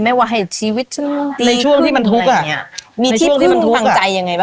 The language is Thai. ว่าให้ชีวิตในช่วงที่มันทุกข์อ่ะมีที่มันพังใจยังไงบ้าง